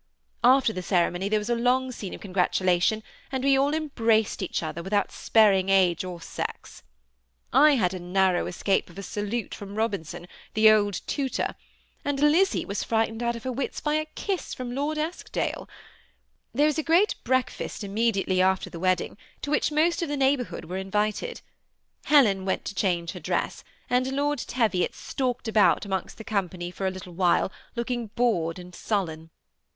After the ceremony, there was a long scene of congratulation, and we all embraced each other, with out sparing age or sex. I had a narrow escape of ^ a salute' from Bobinson, the old tutor; and Lizzy was frightened out of her wits by a kiss from Lord fisk dale. There was a great breakfast immediately after the wedding, to which most of the neighborhood w6re invited. Helen went to diange her dress, and Lord Teyiot stalked about amongst the company, for a little while, looking bored and sullen.